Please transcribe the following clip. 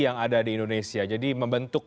yang ada di indonesia jadi membentuk